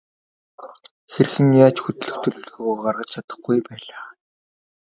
Хэрхэн яаж хөдлөх төлөвлөгөөгөө гаргаж чадахгүй байлаа.